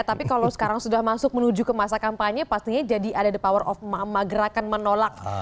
tapi kalau sekarang sudah masuk menuju ke masa kampanye pastinya jadi ada the power of emak emak gerakan menolak